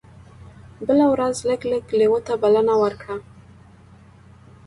بله ورځ لګلګ لیوه ته بلنه ورکړه.